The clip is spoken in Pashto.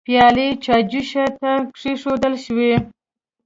پيالې چايجوشه ته کيښودل شوې.